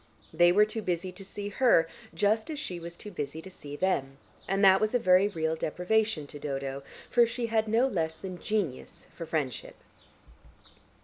They were too busy to see her, just as she was too busy to see them, and that was a very real deprivation to Dodo, for she had no less than genius for friendship.